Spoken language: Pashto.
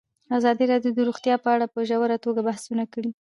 ازادي راډیو د روغتیا په اړه په ژوره توګه بحثونه کړي.